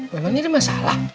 memang ini masalah